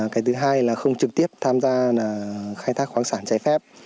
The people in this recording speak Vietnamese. cái thứ hai là không trực tiếp tham gia khai thác khoáng sản trái phép